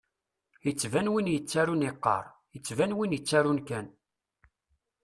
Ittban win yettarun iqqar, ittban win ittarun kan.